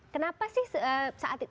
kenapa sih saat